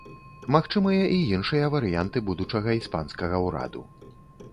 Магчымыя і іншыя варыянты будучага іспанскага ўраду.